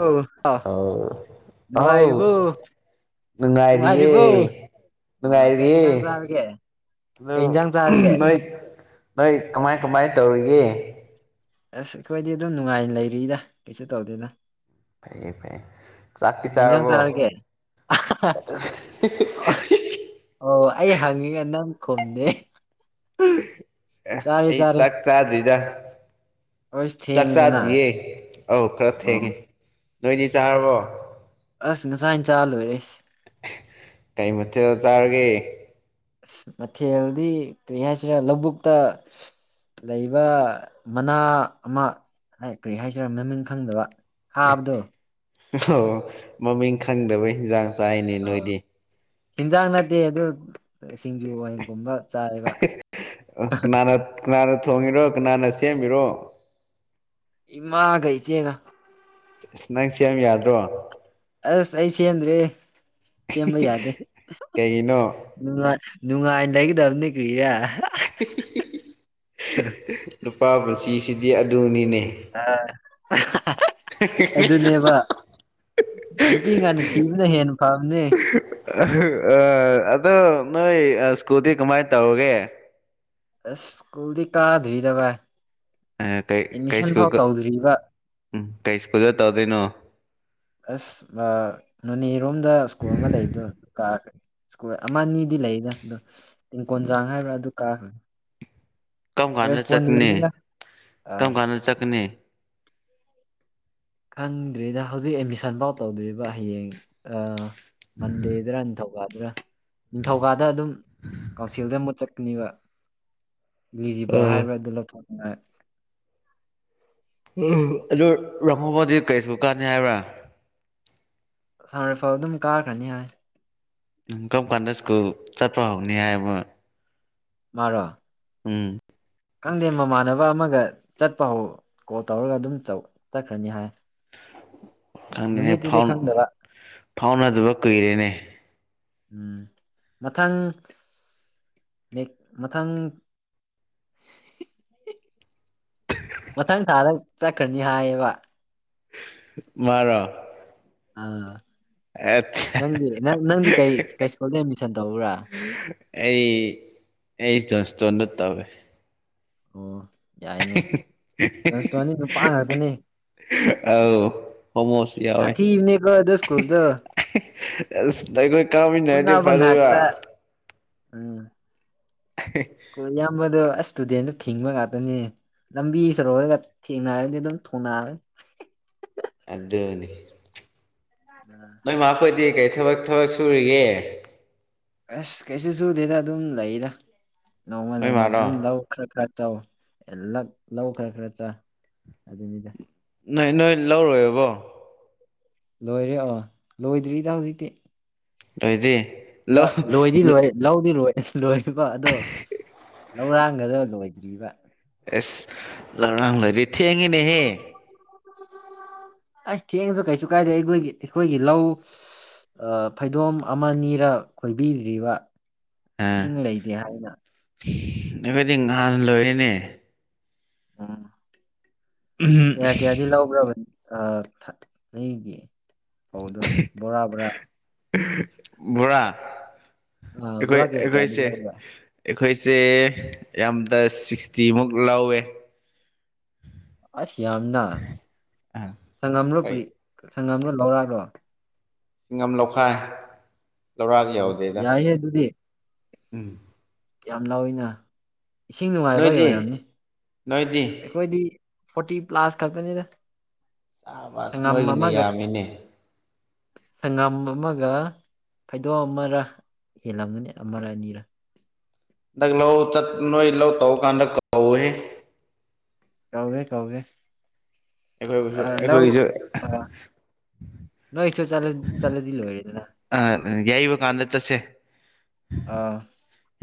ꯑꯧ ꯑꯥ ꯑ ꯑꯥꯎ ꯅꯨꯡꯉꯥꯏꯔꯤꯕꯣ ꯅꯨꯡꯉꯥꯏꯔꯤꯌꯦ ꯅꯨꯡꯉꯥꯏꯔꯤꯕꯣ ꯑ ꯀꯩ ꯅꯨꯡꯉꯥꯏꯔꯤꯌꯦ ꯏꯟꯖꯥꯡ ꯆꯥꯔꯒꯦ ꯑꯗꯨ ꯀꯩ ꯏꯟꯖꯥꯡ ꯆꯥꯔꯒꯦ ꯅꯣꯏ ꯅꯣꯏ ꯀꯃꯥꯏ ꯀꯃꯥꯏ ꯇꯧꯔꯤꯒꯦ ꯑꯁ ꯑꯩꯈꯣꯏꯗꯤ ꯑꯗꯨꯝ ꯅꯨꯡꯉꯥꯏꯅ ꯂꯩꯔꯤꯗ ꯀꯩꯁꯨ ꯇꯧꯗꯦꯗ ꯐꯩꯌꯦ ꯐꯩꯌꯦ ꯆꯥꯛꯇꯤ ꯀꯩ ꯏꯟꯖꯥꯡ ꯆꯥꯔꯕ꯭ꯔꯣ ꯆꯥꯔꯒꯦ ꯍꯤ ꯍꯤ ꯍꯤ ꯑꯣ ꯑꯩ ꯍꯪꯉꯤꯑꯦ ꯅꯪ ꯈꯨꯝꯗꯦ ꯑꯦ ꯆꯥꯔꯦ ꯑꯩ ꯆꯥꯔꯦ ꯆꯥꯛ ꯆꯥꯗ꯭ꯔꯤꯗꯥ ꯑꯁ ꯆꯥꯛꯆꯥ ꯊꯦꯡꯉꯤꯗꯅ ꯗ꯭ꯔꯤꯌꯦ ꯑꯧ ꯈꯔ ꯑꯣ ꯊꯦꯡꯉꯦ ꯅꯣꯏꯗꯤ ꯆꯥꯔꯕ꯭ꯔꯣ ꯑꯁ ꯉꯁꯥꯏꯅ ꯆꯥ ꯂꯣꯏꯔꯦ ꯑꯦ ꯀꯩ ꯃꯊꯦꯜ ꯆꯥꯔꯒꯦ ꯑꯁ ꯃꯊꯦꯜꯗꯤ ꯀꯔꯤ ꯍꯥꯏꯁꯤꯔ ꯂꯧꯕꯨꯛꯇ ꯂꯩꯕ ꯃꯅꯥ ꯑꯃ ꯀꯔꯤ ꯍꯥꯏꯁꯤꯔ ꯃꯃꯤꯡ ꯈꯪꯗꯕ ꯈꯥꯕꯗꯣ ꯑꯣ ꯃꯃꯤꯡ ꯈꯪꯗꯕꯩ ꯍꯤꯟꯖꯥꯡ ꯆꯥꯏꯅꯦ ꯅꯣꯏꯗꯤ ꯍꯤꯟꯖꯥꯡ ꯅꯠꯇꯦ ꯑꯗꯨ ꯁꯤꯡꯖꯨ ꯋꯥꯏꯒꯨꯝꯕ ꯑꯍ ꯑ ꯀꯅꯥꯅ ꯀꯅꯥꯅ ꯊꯣꯡꯉꯤꯔꯣ ꯀꯅꯥꯅ ꯁꯦꯝꯃꯤꯔꯣ ꯏꯃꯥꯒ ꯏꯆꯦꯒ ꯅꯪ ꯁꯦꯝ ꯌꯥꯗ꯭ꯔꯣ ꯑꯁ ꯑꯩ ꯁꯦꯝꯗ꯭ꯔꯦ ꯁꯦꯝꯕ ꯌꯥꯗꯦ ꯀꯩꯒꯤꯅꯣ ꯅꯨꯉꯥ ꯅꯨꯡꯉꯥꯏꯅ ꯂꯩꯒꯗꯕꯅꯤ ꯀ꯭ꯔꯤꯔ ꯅꯨꯄꯥ ꯃꯆꯤꯁꯤꯗꯤ ꯑꯗꯨꯅꯤꯅꯦ ꯑ ꯑꯗꯨꯅꯦꯕ ꯅꯨꯄꯤ ꯉꯟꯅ ꯊꯤꯕꯅ ꯍꯦꯟꯅ ꯐꯕꯅꯦ ꯑ ꯑꯗꯣ ꯅꯣꯏ ꯑ ꯁ꯭ꯀꯨꯇꯤ ꯀꯃꯥꯏ ꯇꯧꯔꯒꯦ ꯑꯁ ꯁꯀꯨꯜꯗꯤ ꯀꯥꯗ꯭ꯔꯤꯗ ꯕꯥꯢ ꯀꯩ ꯀꯩ ꯑꯦꯠꯃꯤꯁꯟ ꯐꯥꯎ ꯁ꯭ꯀꯨꯜ ꯇꯧꯗ꯭ꯔꯤꯕ ꯎꯝ ꯀꯩ ꯁ꯭ꯀꯨꯜꯗ ꯇꯧꯗꯣꯏꯅꯣ ꯑꯁ ꯕ ꯅꯣꯅꯦꯔꯣꯝꯗ ꯁ꯭ꯀꯨꯜ ꯑꯃ ꯂꯩꯕꯗꯣ ꯀꯥꯈ꯭ꯔꯅꯤ ꯁꯀꯨꯜ ꯑꯃ ꯑꯅꯤꯗꯤ ꯂꯩꯌꯦꯗ ꯑꯗꯣ ꯇꯤꯡꯀꯣꯟ ꯆꯥꯡ ꯍꯥꯏꯕ꯭ꯔꯥ ꯑꯗꯨ ꯀꯥꯈ꯭ꯔꯅꯤ ꯀꯔꯝ ꯀꯥꯟꯅ ꯆꯠꯀꯅꯤ ꯑ ꯀꯔꯝ ꯀꯥꯟꯅ ꯆꯠꯀꯅꯤ ꯈꯪꯗ꯭ꯔꯤꯗ ꯍꯧꯖꯤꯛ ꯑꯦꯠꯃꯤꯁꯟꯐꯥꯎ ꯇꯧꯗ꯭ꯔꯤꯕ ꯍꯌꯦꯡ ꯑꯥ ꯃꯟꯗꯦꯗꯔ ꯅꯤꯡꯊꯧꯀꯗꯨꯔ ꯅꯤꯡꯊꯧꯀꯥꯗ ꯑꯗꯨꯝ ꯀꯥꯎꯁꯤꯜꯗ ꯑꯃꯨꯛ ꯆꯠ ꯀꯅꯤꯕ ꯏꯂꯤꯖꯤꯕꯜ ꯍꯥꯏꯕ ꯑꯗꯨ ꯂꯧꯊꯣꯛꯅꯤꯡꯉꯥꯏ ꯎꯝ ꯑꯗꯨ ꯔꯥꯍꯣꯕꯗꯤ ꯀꯩ ꯁ꯭ꯀꯨꯜ ꯀꯥꯟꯅꯤ ꯍꯥꯏꯕ꯭ꯔꯥ ꯑꯥꯁꯝ ꯔꯥꯏꯐꯜ ꯑꯗꯨꯝ ꯀꯥꯈ꯭ꯔꯅꯤ ꯍꯥꯏ ꯀꯔꯝ ꯀꯥꯟꯗ ꯁ꯭ꯀꯨꯜ ꯆꯠꯄ ꯍꯧꯅꯤ ꯍꯥꯏ ꯃ ꯃꯥꯔꯣ ꯎꯝ ꯈꯪꯗꯦ ꯃꯃꯥꯟꯅꯕ ꯑꯃꯒ ꯆꯠꯄ ꯍꯧ ꯀꯣꯜ ꯇꯧꯔꯒ ꯑꯗꯨꯝ ꯆꯠꯈ꯭ꯔꯅꯤ ꯍꯥꯏ [inaudible] ꯈꯪꯅꯤꯅꯦ ꯅꯨꯃꯤꯠꯇꯨꯗꯤ ꯐꯥꯎ ꯈꯪꯗꯕ ꯐꯥꯎꯅꯗꯕ ꯀꯨꯏꯔꯦꯅꯦ ꯎꯝ ꯃꯊꯪ ꯅꯦꯛ ꯃꯊꯪ ꯃꯊꯪ ꯊꯥꯗ ꯆꯠꯈ꯭ꯔꯅꯤ ꯍꯥꯏꯌꯦꯕ ꯃꯥꯔꯣ ꯑꯥ ꯑꯠꯆꯥ ꯅꯪꯗꯤ ꯅꯪꯗꯤ ꯀꯩ ꯀꯩ ꯁ꯭ꯀꯨꯜꯗ ꯑꯦꯗꯃꯤꯁꯟ ꯇꯧꯔꯨꯔ ꯑꯩ ꯑꯩ ꯖꯣꯟꯁꯇꯣꯟꯗ ꯇꯧꯋꯦ ꯑꯣ ꯌꯥꯏꯅꯦ ꯖꯣꯅꯣꯁꯇꯣꯟꯗꯤ ꯅꯨꯄꯥ ꯉꯥꯛꯇꯅꯤ ꯑꯧ ꯍꯣꯃꯣꯁꯨ ꯌꯥꯎꯋꯦ ꯁꯥꯊꯤꯕꯅꯦꯀꯣ ꯑꯗꯨ ꯁ꯭ꯀꯨꯜꯗꯣ ꯑꯁ ꯑꯩꯈꯣꯏ ꯀꯥꯃꯤꯟꯅꯔꯗꯤ ꯐꯨꯅꯕ ꯐꯗꯣꯢꯕ ꯉꯥꯛꯇ [unintelligible] ꯁ꯭ꯀꯨꯜ ꯑꯌꯥꯝꯕꯗꯣ ꯑꯁ ꯏꯁꯇꯨꯗꯦꯟꯗꯨ ꯊꯤꯡꯕ ꯉꯥꯛꯇꯅꯦ ꯂꯝꯕꯤ ꯁꯣꯔꯣꯛꯇꯒ ꯊꯦꯡꯅꯔꯗꯤ ꯑꯗꯨꯝ ꯊꯣꯡꯅꯔꯅꯤ ꯑꯗꯨꯅꯤ ꯅꯣꯏ ꯃꯥ ꯈꯣꯢꯗꯤ ꯀꯩ ꯊꯕꯛ ꯊꯕꯛ ꯁꯨꯔꯤꯒꯦ ꯑꯁ ꯀꯩꯁꯨ ꯁꯨꯗꯦꯗ ꯑꯗꯨꯝ ꯂꯩꯗ ꯅꯣꯡꯃ ꯅꯣꯏ ꯅꯣꯡꯃ ꯃꯥꯔꯣ ꯑꯗꯨꯝ ꯂꯧ ꯈꯔ ꯈꯔ ꯆꯧ ꯂꯛ ꯂꯧ ꯈꯔ ꯈꯔ ꯆꯥ ꯑꯗꯨꯅꯤꯗ ꯅꯣꯏ ꯅꯣꯏ ꯂꯧ ꯂꯣꯢꯔꯕꯣ ꯂꯣꯏꯔꯦ ꯑꯣ ꯂꯣꯏꯗ꯭ꯔꯤꯗ ꯍꯧꯖꯤꯛꯇꯤ ꯅꯣꯏꯗꯤ ꯂꯧ ꯂꯣꯏꯗꯤ ꯂꯣꯏꯔꯦ ꯂꯧꯗꯤ ꯂꯣꯏꯔ ꯂꯣꯏꯔꯕ ꯑꯗꯣ ꯂꯧꯔꯥꯡꯒꯗꯣ ꯂꯣꯏꯗ꯭ꯔꯤꯕ ꯑꯦꯁ ꯂꯧꯔꯥꯡ ꯂꯣꯢꯗꯤ ꯊꯦꯡꯉꯦꯅꯦꯍꯦ [inaudible] ꯑꯩ ꯊꯦꯡꯉꯁꯨ ꯀꯩꯁꯨ ꯀꯥꯏꯗꯦ ꯑꯩꯈꯣꯏꯒꯤ ꯑꯩꯈꯣꯏꯒꯤ ꯂꯧ ꯑꯥ ꯐꯩꯗꯣꯝ ꯑꯃꯅꯤꯔ ꯈꯣꯏꯕꯤꯗ꯭ꯔꯤꯕ ꯑꯥ ꯏꯁꯤꯡ ꯂꯩꯇꯦ ꯍꯥꯏꯅ ꯑꯩꯈꯣꯏꯗꯤ ꯉꯍꯥꯟ ꯂꯣꯏꯔꯦꯅꯦ ꯎꯝ ꯀꯌꯥ ꯀꯌꯥꯗꯤ ꯂꯧꯕ꯭ꯔꯕ ꯊꯥꯔꯇꯤꯒꯤ ꯐꯧꯗꯣ ꯕꯣꯔꯥ ꯕꯣꯔꯥ ꯕꯣꯔꯥ ꯑꯥ ꯑꯩꯈꯣꯏ ꯕꯣꯔꯥ ꯀꯌꯥ ꯀꯌꯥꯗꯤ ꯑꯩꯈꯣꯏꯆꯦ ꯂꯧꯕ꯭ꯔꯥ ꯑꯩꯈꯣꯏꯆꯦ ꯌꯥꯝꯗ ꯁꯤꯛꯁꯇꯤꯃꯨꯛ ꯂꯧꯋꯦ ꯑꯁ ꯌꯥꯝꯃꯤꯅ ꯑꯥ ꯍꯣꯏ ꯁꯪꯉꯝꯂꯣꯄ꯭ꯔꯤ ꯁꯪꯉꯝꯔꯣ ꯂꯧꯔꯛꯂꯣ ꯁꯉꯝ ꯂꯧꯈꯥꯏ ꯂꯧꯔꯥꯛ ꯑꯣ ꯌꯧꯗꯦꯗ ꯌꯥꯏꯌꯦ ꯑꯗꯨꯗꯤ ꯎꯝ ꯌꯥꯝ ꯂꯧꯏꯅ ꯏꯁꯤꯡ ꯅꯨꯡꯉꯥꯏꯕꯩ ꯅꯣꯏꯗꯤ ꯑꯣꯏꯔꯝꯅꯤ ꯅꯣꯏꯗꯤ ꯑꯩꯈꯣꯏꯗꯤ ꯐꯣꯔꯇꯤ ꯄ꯭ꯂꯥꯁ ꯈꯛꯇꯅꯤꯗ ꯆꯥꯕꯁ ꯁꯪꯉꯝ ꯅꯣꯏꯒꯤꯅ ꯑꯃꯒ ꯌꯥꯝꯃꯤꯅꯦ ꯁꯪꯉꯝ ꯑꯃꯒ ꯐꯩꯗꯣꯝ ꯑꯃꯔ ꯍꯦꯜꯂꯝꯒꯅꯤ ꯑꯃꯔ ꯑꯅꯤꯔ ꯍꯟꯗꯛ ꯂꯩ ꯆꯠ ꯅꯣꯏ ꯂꯧꯇꯧꯕ ꯀꯥꯟꯗ ꯀꯥꯎꯋꯣ ꯍꯦ ꯀꯧꯒꯦ ꯀꯧꯒꯦ ꯑꯩꯈꯣꯏꯕꯨꯁꯨ ꯑ ꯂꯧ ꯑꯩꯈꯣꯏꯒꯤꯁꯨ ꯑ ꯅꯣꯏ ꯆꯥꯠꯁꯟꯂ ꯆꯠꯂꯗꯤ ꯂꯣꯏꯔꯦꯗꯅ ꯑꯪ ꯌꯩꯕ ꯀꯥꯟꯗ ꯆꯠꯁꯦ ꯑꯥ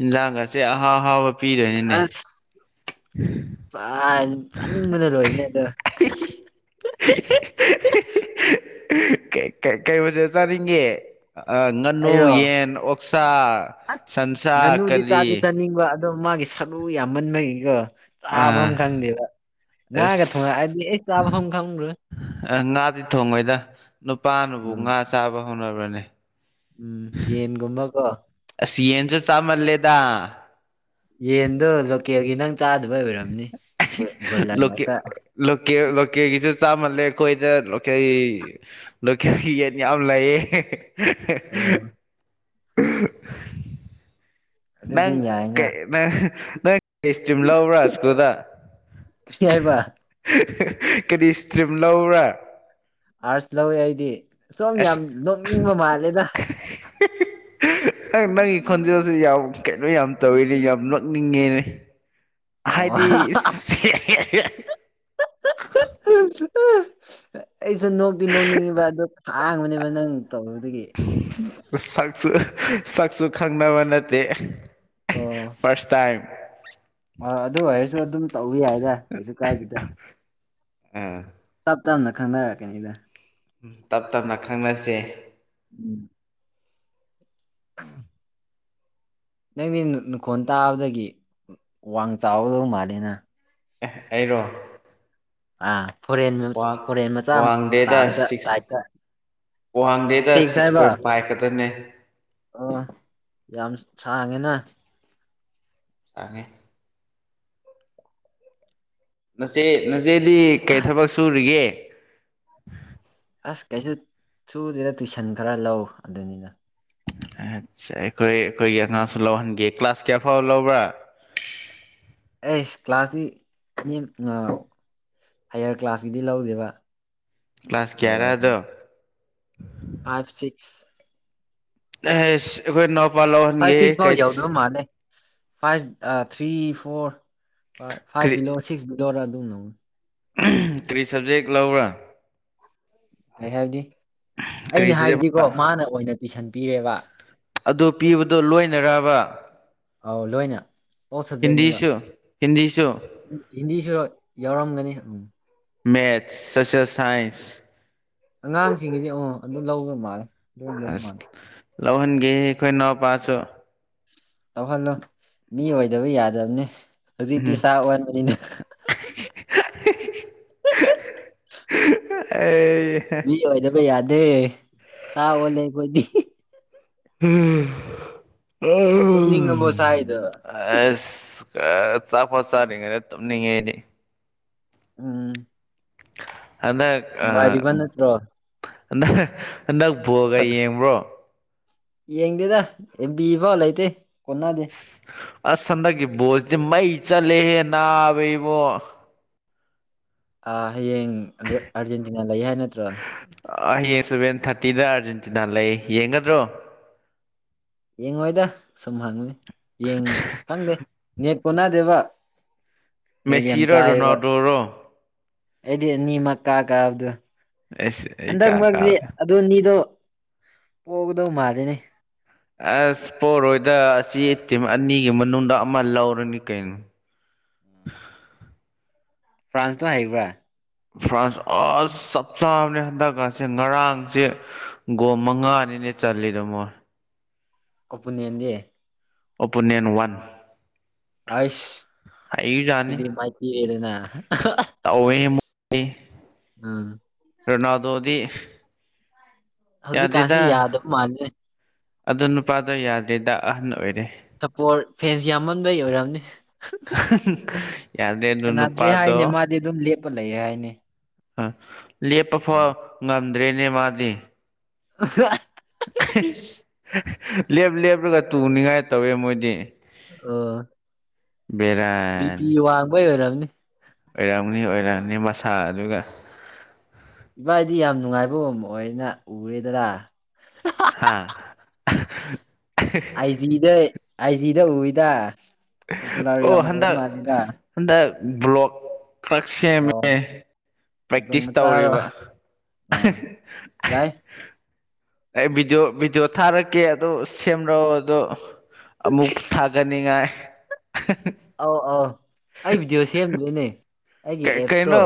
ꯏꯟꯖꯥꯡꯒꯁꯦ ꯑꯍꯥꯎ ꯑꯍꯥꯎꯕ ꯄꯤꯗꯣꯏꯅꯤꯅꯦ ꯆ ꯆꯥꯅꯤꯡꯕꯅ ꯂꯣꯏꯕꯅꯦ ꯑꯗꯣ ꯍꯤꯍꯤ ꯀꯩ ꯀꯩ ꯃꯊꯦꯜ ꯆꯥꯅꯤꯡꯉꯦ ꯑ ꯉꯥꯅꯨ ꯑꯩꯔꯣ ꯌꯦꯟ ꯑꯣꯛꯁꯥ ꯑꯁ ꯁꯟꯁꯥ ꯀꯔꯤ ꯗꯣ ꯃꯥꯒꯤ ꯁꯔꯨ ꯌꯥꯝꯃꯟꯕꯒꯤꯀꯣ ꯆꯥꯐꯝ ꯑꯥ ꯈꯪꯗꯦꯕ ꯉꯥꯒ ꯑꯁ ꯊꯣꯡꯉꯛꯑꯗꯤ ꯑꯩ ꯆꯥꯐꯝ ꯈꯪꯕ꯭ꯔꯣ ꯑ ꯉꯥꯗꯤ ꯊꯣꯡꯉꯣꯏꯗ ꯅꯨꯄꯥꯅꯕꯨ ꯎꯝ ꯉꯥ ꯆꯥꯕ ꯍꯧꯅꯕ꯭ꯔꯅꯦ ꯎꯝ ꯌꯦꯟꯒꯨꯝꯕꯀꯣ ꯆꯥ ꯃꯜꯂꯦꯗ ꯌꯦꯟꯗꯣ ꯂꯣꯀꯦꯜꯒꯤ ꯅꯪ ꯆꯥꯗꯕꯩ ꯑꯣꯏꯔꯝꯅꯤ ꯕ꯭ꯔꯣ- ꯕ꯭ꯔꯣꯏꯂꯔ ꯂꯣꯀꯦ ꯉꯥꯛꯇ ꯂꯣꯀꯦꯜ ꯂꯣꯀꯦꯒꯤꯁꯨ ꯆꯥꯃꯜꯂꯦ ꯑꯩꯈꯣꯏꯗ ꯂꯣꯀꯦꯜꯒꯤ ꯂꯣꯀꯦꯜꯒꯤ ꯌꯦꯟ ꯌꯥꯝ ꯂꯩꯌꯦ ꯍꯦ ꯍꯦ ꯑꯣ ꯑꯍꯨ ꯑꯗꯨꯗꯤ ꯅꯪ ꯌꯥꯏꯅ ꯀꯩ ꯅꯪ ꯅꯪ ꯀꯩ ꯏꯁꯇ꯭ꯔꯤꯝ ꯂꯥꯎꯕ꯭ꯔꯥꯥ ꯁꯀ꯭ꯨꯜꯗ ꯀꯔꯤ ꯍꯥꯏꯕ ꯀꯔꯤ ꯏꯁꯇ꯭ꯔꯤꯝ ꯂꯧꯕ꯭ꯔꯥ ꯑꯥꯔꯠꯁ ꯂꯧꯋꯦ ꯑꯩꯗꯤ ꯁꯣꯝ ꯑꯁ ꯌꯥꯝ ꯅꯣꯛꯅꯤꯡꯕ ꯃꯥꯜꯂꯦꯗ ꯑꯩ ꯅꯪꯒꯤ ꯈꯣꯟꯖꯦꯜꯁꯤ ꯌꯥꯝ ꯀꯩꯅꯣ ꯌꯥꯝ ꯇꯧꯋꯤꯅꯦ ꯌꯥꯝ ꯅꯣꯛꯅꯤꯡꯉꯦꯅꯦ ꯑꯣ ꯍꯥꯏꯗꯤ ꯁꯤ ꯑꯦ ꯑꯦ ꯑꯩꯁꯨ ꯅꯣꯛꯇꯤ ꯅꯣꯛꯅꯤꯡꯉꯤꯕ ꯑꯗꯨ ꯈꯥꯡꯕꯅꯦꯕ ꯅꯪ ꯇꯧꯕꯗꯒꯤ ꯁꯛꯁꯨ ꯁꯛꯁꯨ ꯈꯪꯅꯕ ꯅꯠꯇꯦ ꯑꯣ ꯐꯥ꯭ꯔꯁ ꯇꯥꯏꯝ ꯑ ꯑꯗꯨ ꯑꯣꯏꯔꯁꯨ ꯑꯗꯨꯝ ꯇꯧꯕ ꯌꯥꯏꯗ ꯀꯩꯁꯨ ꯀꯥꯏꯗꯦꯗ ꯎꯝ ꯇꯞ ꯇꯞꯅ ꯈꯪꯅꯔꯛꯀꯅꯤꯗ ꯎꯝ ꯇꯞ ꯇꯞꯅ ꯈꯟꯅꯁꯦ ꯎꯝ ꯅꯪꯗꯤ ꯅꯈꯣꯟ ꯇꯥꯕꯗꯒꯤ ꯋꯥꯡ ꯆꯥꯎꯗꯧ ꯃꯥꯂꯦꯅ ꯑꯦ ꯑꯩꯔꯣ ꯑꯥ ꯐꯣꯔꯦꯟ ꯋꯥꯡ ꯐꯣꯔꯦꯟ ꯃꯆꯥ ꯑꯃ ꯋꯥꯡꯗꯦꯗ ꯇꯥꯕꯗ ꯁꯤꯛꯁ ꯂꯥꯏꯛꯇ ꯋꯥꯡꯗꯦꯗ ꯁꯤꯛꯁ ꯄꯣꯏꯟ ꯐꯥꯏꯚ ꯈꯛꯇꯅꯦ ꯑ ꯌꯥꯝ ꯁꯥꯡꯉꯦꯅ ꯋꯥꯡꯉꯦ ꯅꯆꯦ ꯅꯆꯦꯗꯤ ꯀꯔꯤ ꯊꯕꯛ ꯁꯨꯔꯤꯒꯦ ꯑꯁ ꯀꯩꯁꯨ ꯁꯨꯗꯦꯅ ꯇꯨꯏꯁꯟ ꯈꯔ ꯂꯧ ꯑꯗꯨꯅꯤꯗ ꯑꯁ ꯑꯩꯈꯣꯏ ꯑꯩꯈꯣꯏꯒꯤ ꯑꯉꯥꯡꯁꯨ ꯂꯧꯍꯟꯒꯦ ꯀ꯭ꯂꯥꯁ ꯀꯌꯥ ꯐꯥꯎꯕ ꯂꯧꯕ꯭ꯔꯥ ꯑꯩꯁ ꯀ꯭ꯂꯥꯁꯀꯤ ꯃꯤ ꯍꯥꯏꯌꯔ ꯀ꯭ꯂꯥꯁꯀꯤꯗꯤ ꯂꯧꯗꯦꯕ ꯀ꯭ꯂꯥꯁ ꯀꯦꯌꯥꯔꯥ ꯑꯗꯣ ꯂꯋꯥꯔꯒꯤꯅꯤ ꯐꯥꯏꯚ ꯁꯤꯛꯁ ꯑꯦ ꯑꯩꯈꯣꯏ ꯏꯅꯥꯎꯄ ꯂꯧꯍꯟꯒꯦ ꯐꯥꯏꯚ ꯁꯤꯛꯁ ꯐꯥꯎ ꯌꯧꯗꯕ ꯀꯩꯁ ꯃꯥꯜꯂꯦ ꯐꯥꯏꯚ ꯑ ꯊ꯭ꯔꯤ ꯐꯣꯔ ꯐꯥꯏꯚ ꯀꯔꯤ ꯕꯤꯂꯣ ꯁꯤꯛꯁ ꯕꯤꯂꯣꯔ ꯑꯗꯨ ꯂꯧꯕꯅꯦ ꯀꯔꯤ ꯁꯕꯖꯦꯛ ꯂꯧꯕꯔꯥ ꯀ ꯍꯥꯏꯕꯗꯤ ꯀꯔꯤ ꯑꯩꯅ ꯁꯕꯖꯦꯛ ꯍꯥꯏꯕꯗꯤꯀꯣ ꯃꯥꯅ ꯑꯣꯏꯅ ꯇꯨꯏꯁꯟ ꯄꯤꯌꯦꯕ ꯑꯗꯨ ꯄꯤꯕꯗꯣ ꯂꯣꯏꯅꯔꯕ ꯑꯧ ꯂꯣꯏꯅ ꯑꯣꯜ ꯁꯕꯖꯦꯛꯅꯦꯕ ꯍꯤꯟꯗꯤꯁꯨ ꯍꯤꯟꯗꯤꯁꯨ ꯍꯤꯟꯗꯤꯁꯨ ꯌꯥꯎꯔꯝꯒꯅꯤ ꯎꯝ ꯃꯦꯠꯁ ꯁꯣꯁꯦꯜ ꯁꯥꯏꯟꯁ ꯑꯉꯥꯡꯁꯤꯡꯒꯤꯗꯤ ꯑꯣ ꯑꯗꯨ ꯂꯧꯕꯃꯥꯜꯂꯦ ꯑꯁ ꯂꯧꯍꯟꯒꯦ ꯑꯩꯈꯣꯏ ꯏꯅꯥꯎꯄꯥꯁꯨ ꯇꯧꯍꯜꯂꯣ ꯃꯤ ꯑꯣꯏꯗꯕ ꯌꯥꯗꯕꯅꯦ ꯍꯧꯖꯤꯛꯇꯤ ꯎꯝ ꯁꯥ ꯑꯣꯟꯕꯅꯤꯅ [unintelligible] ꯃꯤ ꯑꯣꯏꯗꯕ ꯌꯥꯗꯦ ꯁꯥ ꯑꯣꯂꯦ ꯑꯩꯈꯣꯏꯗꯤ ꯎꯝ ꯑꯝ ꯇꯨꯝꯅꯤꯡꯉꯕꯣ ꯁꯥꯏꯗꯣ ꯑꯁ ꯆꯥꯛ ꯐꯥꯎ ꯆꯥꯗ꯭ꯔꯤꯉꯩꯗ ꯇꯨꯝꯅꯤꯡꯉꯦ ꯑꯩꯗꯤ ꯎꯝ ꯍꯟꯗꯛ ꯑꯥ ꯅꯨꯡꯉꯥꯏꯔꯤꯕ ꯅꯠꯇ꯭ꯔꯣ ꯍꯟꯗꯛ ꯍꯟꯗꯛ ꯕꯣꯜꯒ ꯌꯦꯡꯕ꯭ꯔꯣ ꯌꯦꯡꯗꯦꯗ ꯑꯦꯝ ꯕꯤ ꯐꯥꯎ ꯂꯩꯇꯦ ꯍꯣꯠꯅꯗꯦ ꯑꯁ ꯍꯟꯗꯛꯀꯤ ꯕꯣꯜꯁꯦ ꯃꯩ ꯆꯠꯂꯦꯍꯦ ꯅꯥꯕ ꯏꯕꯣ ꯑꯥ ꯍꯌꯦꯡ ꯑꯔ ꯑꯔꯖꯦꯟꯇꯤꯅꯥ ꯂꯩ ꯍꯥꯏ ꯅꯠꯇ꯭ꯔꯣ ꯍꯌꯦꯡ ꯁꯚꯦꯟ ꯊꯥꯔꯇꯤꯗ ꯑꯥꯔꯖꯦꯟꯇꯤꯅꯥ ꯂꯩ ꯌꯦꯡꯒꯗ꯭ꯔꯣ ꯌꯦꯡꯉꯣꯏꯗ ꯁꯨꯝ ꯍꯪꯕꯅꯤ ꯌꯦꯡ ꯈꯪꯗꯦ ꯅꯦꯠ ꯀꯅꯥꯗꯦꯕ ꯅꯦꯠ ꯌꯥꯝ ꯃꯦꯁꯤꯔꯣ ꯆꯥꯑꯦꯕ ꯔꯣꯅꯥꯜꯗꯣꯔꯣ ꯑꯩꯗꯤ ꯑꯅꯤꯃꯛ ꯀꯥ ꯀꯥꯕꯗꯣ ꯑꯁ ꯑꯩ ꯍꯟꯗꯛ ꯀꯥ ꯃꯔꯛꯇ ꯀꯥꯒꯦ ꯑꯗꯨꯅꯤꯗꯣ ꯄꯣꯒꯗꯧ ꯃꯥꯂꯤꯅꯦ ꯑꯁ ꯄꯣꯔꯣꯏꯗ ꯑꯁꯤ ꯇꯤꯝ ꯑꯅꯤꯒꯤ ꯃꯅꯨꯡꯗ ꯑꯃ ꯂꯧꯔꯅꯤ ꯀꯩꯅꯣ [unintelligible] ꯐ꯭ꯔꯥꯟꯁꯇꯣ ꯍꯩꯕ꯭ꯔꯥ ꯐ꯭ꯔꯥꯟꯁ ꯑꯁ ꯆꯞ ꯆꯥꯕꯅꯦ ꯍꯟꯗꯛꯀꯁꯦ ꯉꯔꯥꯡꯁꯦ ꯒꯣꯜ ꯃꯉꯥꯅꯤ ꯑꯦꯠ ꯆꯜꯂꯤꯗꯣ ꯃꯣꯏ ꯀꯄꯨꯅꯦꯟꯗꯤ ꯑꯣꯄꯣꯅꯦꯟ ꯋꯥꯟ ꯑꯏꯁ ꯍꯩꯖꯥꯠꯅꯤ ꯁꯤꯗꯤ ꯃꯥꯩꯊꯤꯔꯦꯗꯅ ꯇꯧꯋꯦ ꯃꯣꯏꯗꯤ ꯎꯝ ꯔꯣꯅꯥꯜꯗꯣꯗꯤ ꯍꯧꯖꯤꯛꯀꯥꯟꯁꯦ ꯌꯥꯗꯕ ꯃꯥꯜꯂꯦ ꯑꯗꯣ ꯅꯨꯄꯥꯗꯣ ꯌꯥꯗ꯭ꯔꯦꯗ ꯑꯍꯟ ꯑꯣꯏꯔꯦ ꯁꯞꯄꯣꯔꯠ ꯐꯦꯟꯁ ꯌꯥꯝꯃꯟꯕꯩ ꯑꯣꯏꯔꯝꯅꯤ ꯌꯥꯗ꯭ꯔꯦ ꯑꯗꯨ ꯁꯥꯅꯗ꯭ꯔꯦ ꯅꯨꯄꯥꯗꯣ ꯍꯥꯏꯅꯦ ꯃꯥꯗꯤ ꯑꯗꯨꯝ ꯂꯦꯞꯄ ꯂꯩꯌꯦ ꯍꯥꯏꯅꯦ ꯎꯝ ꯂꯦꯞꯄ ꯎꯝ ꯐꯥꯎ ꯉꯝꯗ꯭ꯔꯦꯅꯦ ꯃꯥꯗꯤ [unintelligible] ꯑꯍꯦ ꯍ ꯂꯦꯞ ꯂꯦꯞꯂꯒ ꯇꯨꯅꯤꯡꯉꯥꯏ ꯇꯧꯋꯦ ꯃꯣꯏꯗꯤ ꯑꯣ ꯕꯤ ꯄꯤ ꯕꯦꯔꯥꯅꯤ ꯋꯥꯡꯕꯩ ꯑꯣꯏꯔꯝꯅꯤ ꯑꯣꯏꯔꯝꯅꯤ ꯑꯣꯏꯔꯝꯅꯤ ꯃꯁꯥ ꯑꯗꯨꯒ ꯏꯕꯥꯏꯗꯤ ꯌꯥꯝ ꯅꯨꯡꯉꯥꯏꯕ ꯎꯝ ꯑꯣꯏꯅ ꯎꯔꯦꯗꯅꯥ ꯍꯥꯥ ꯑꯥꯏꯖꯤꯗ ꯑꯥꯏꯖꯤꯗ ꯎꯏꯗꯥ ꯑꯣ ꯍꯟꯗꯛ ꯍꯟꯗꯛ ꯕ꯭ꯂꯣꯛ ꯈꯔ ꯑꯣ ꯁꯦꯝꯃꯦ ꯗꯣꯡ ꯄ꯭ꯔꯦꯛꯇꯤꯁ ꯃꯆꯥꯔꯣ ꯇꯧꯔꯤꯕ ꯑꯍꯦ ꯑꯥ ꯍꯦ ꯌꯥꯏ ꯑꯩ ꯚꯤꯗꯤꯑꯣ ꯚꯤꯗꯤꯑꯣ ꯊꯥꯔꯛꯀꯦ ꯑꯗꯨ ꯁꯦꯝꯔꯣ ꯑꯗꯣ ꯑꯃꯨꯛ ꯊꯥꯒꯠꯅꯤꯉꯥꯏ ꯑꯥꯎ ꯑꯥꯎ ꯑꯩ ꯚꯤꯗꯤꯑꯣ ꯁꯦꯝꯗꯨꯏꯅꯦ ꯀꯦ ꯀꯩꯅꯣ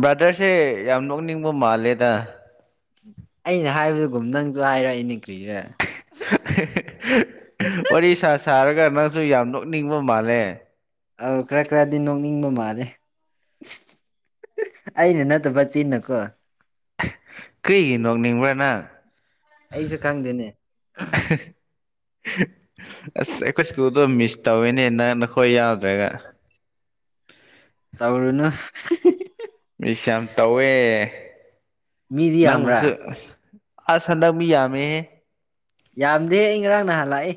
ꯕ꯭ꯔꯥꯗꯔꯁꯦ ꯌꯥꯝ ꯅꯣꯛꯅꯤꯡꯕ ꯃꯥꯜꯂꯦꯗ ꯑꯩꯅ ꯍꯥꯏꯕꯗꯨꯒꯨꯝ ꯅꯪꯖꯨ ꯍꯥꯏꯔꯛꯏꯅꯦ ꯀ꯭ꯔꯤꯔꯥ ꯑꯍ ꯋꯥꯔꯤ ꯁꯥ ꯁꯥꯔꯒ ꯅꯪꯁꯨ ꯌꯥꯝ ꯅꯣꯛꯅꯤꯡꯕ ꯃꯥꯜꯂꯦ ꯑꯧ ꯈꯥꯔ ꯈꯥꯔꯗꯤ ꯅꯣꯛꯅꯤꯡꯕ ꯃꯥꯜꯂꯦ ꯑꯩꯅ ꯅꯠꯇꯕ ꯆꯤꯟꯅ ꯀꯣ ꯀ꯭ꯔꯤꯒꯤ ꯅꯣꯛꯅꯤꯡꯕ꯭ꯔꯥ ꯅꯪ ꯑꯩꯖꯨ ꯈꯪꯗꯦꯅꯦ ꯑꯁ ꯑꯈꯣꯏ ꯁ꯭ꯀꯨꯜꯗꯣ ꯃꯤꯁ ꯇꯧꯋꯦꯅꯦ ꯅꯪ ꯅꯈꯣꯏ ꯌꯥꯎ ꯇꯧꯔꯨꯅꯨ ꯃꯤꯁ ꯌꯥꯝ ꯇꯧꯋꯦ ꯃꯤꯗꯤ ꯌꯥꯝꯕ꯭ꯔꯥ ꯅꯪꯕꯨꯁꯨ ꯑꯁ ꯑꯁ ꯍꯟꯗꯛ ꯃꯤ ꯌꯥꯝꯃꯦꯍꯦ ꯌꯥꯝꯗꯦ ꯑꯩ ꯉꯔꯥꯡ ꯅꯍꯥꯟ ꯂꯥꯛꯏ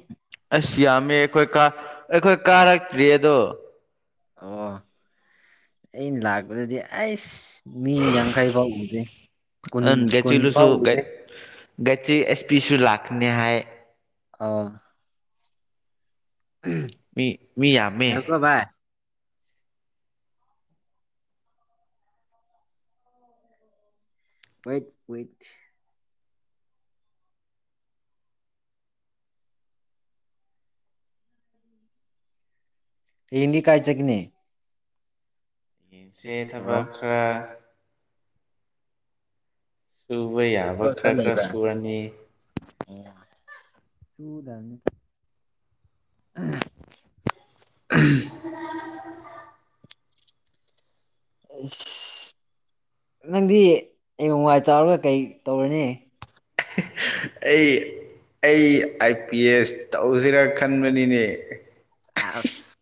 ꯑꯁ ꯌꯥꯝꯃꯦ ꯑꯈꯣꯏ ꯀꯥ ꯑꯈꯣꯏ ꯀꯥꯔꯛꯇ꯭ꯔꯤ ꯑꯗꯣ ꯑꯣ ꯑꯩꯅ ꯂꯥꯛꯄꯗꯗꯤ ꯑꯩꯁ ꯃꯤ ꯌꯥꯡꯈꯩ ꯐꯥꯎ ꯎꯗꯦ ꯀꯨꯟ ꯀꯨꯟ ꯐꯥꯎ ꯎꯗꯦ ꯕꯦꯇ꯭ꯔꯤ ꯑꯦꯁ ꯄꯤꯁꯨ ꯂꯥꯛꯀꯅꯤ ꯍꯥꯏ ꯑꯥ ꯃꯤ ꯃꯤ ꯌꯥꯝꯃꯦ ꯉꯥꯏꯈꯣꯀꯣ ꯚꯥꯏ ꯋꯦꯠ ꯋꯦꯠ ꯍꯌꯦꯡꯗꯤ ꯀꯥꯏ ꯆꯠꯀꯅꯤ ꯌꯦꯡꯁꯦ ꯑꯣ ꯊꯕꯛ ꯈꯥꯔ ꯁꯨꯕ ꯌꯥꯕ ꯊꯕꯛ ꯈ꯭ꯔ ꯈꯔ ꯈ꯭ꯔ ꯂꯩꯕ꯭ꯔꯥ ꯁꯨꯨꯔꯅꯤ ꯇꯨꯗꯝꯅꯤ ꯑꯥ [inaudible] ꯑꯩꯁ ꯅꯪꯗꯤ ꯍꯌꯦꯡꯋꯥꯏ ꯆꯥꯎꯔꯒ ꯀꯩ ꯇꯧꯔꯅꯤ ꯑꯩ ꯑꯩ ꯑꯥꯏ ꯄꯤ ꯑꯦꯁ ꯇꯧꯖꯤꯔꯥ ꯈꯟꯕꯅꯤꯅꯦ ꯑꯁ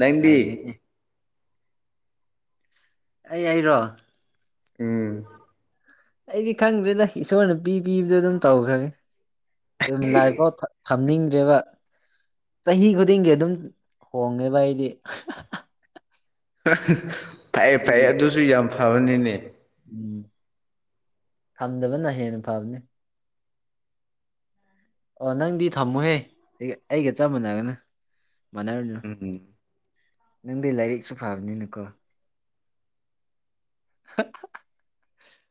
ꯅꯪꯗꯤ ꯅꯩꯔꯦꯅꯦ ꯑꯩ ꯑꯩꯔꯣ ꯎꯝ ꯑꯩꯗꯤ ꯈꯪꯗ꯭ꯔꯦꯗ ꯏꯁꯣꯔꯅ ꯄꯤ ꯄꯤꯕꯗꯣ ꯑꯗꯨꯝ ꯇꯧꯈ꯭ꯔꯒꯦ ꯗꯨꯝ ꯂꯥꯏꯐꯥꯎ ꯊꯝꯅꯤꯡꯗ꯭ꯔꯦꯕ ꯆꯍꯤ ꯈꯨꯗꯤꯡꯒꯤ ꯑꯗꯨꯝ ꯍꯣꯡꯉꯦꯕꯥ ꯑꯩꯗꯤ ꯍ ꯍ ꯍ ꯍ ꯐꯩ ꯐꯩꯌꯦ ꯑꯗꯨꯁꯨ ꯌꯥꯝ ꯐꯕꯅꯤꯅꯦ ꯎꯝ ꯊꯝꯗꯕꯅꯥ ꯍꯦꯟꯅ ꯐꯕꯅꯤ ꯑꯣ ꯅꯪꯗꯤ ꯊꯝꯃꯨꯍꯦ ꯑꯩꯒ ꯑꯩꯒ ꯆꯞ ꯃꯥꯟꯅꯒꯅꯨ ꯃꯥꯟꯅꯔꯨꯅꯨ ꯎꯝ ꯅꯪꯗꯤ ꯂꯥꯏꯔꯤꯛꯁꯨ ꯐꯕꯅꯤꯅꯀꯣ ꯍ ꯍ ꯍ